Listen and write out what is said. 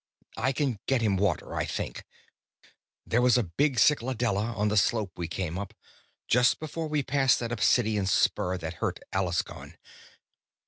I can get him water, I think. There was a big cycladella on the slope we came up, just before we passed that obsidian spur that hurt Alaskon.